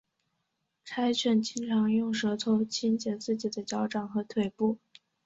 柴犬经常会用舌头清洁自己的脚掌和腿部。